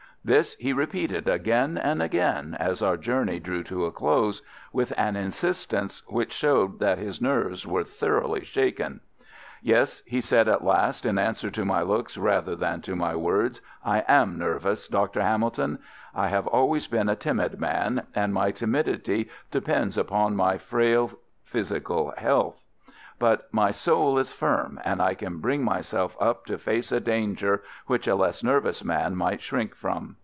This he repeated again and again as our journey drew to a close, with an insistence which showed that his nerves were thoroughly shaken. "Yes," he said at last, in answer to my looks rather than to my words, "I am nervous, Dr. Hamilton. I have always been a timid man, and my timidity depends upon my frail physical health. But my soul is firm, and I can bring myself up to face a danger which a less nervous man might shrink from.